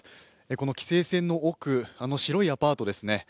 あの規制線の奥、白いアパートですね。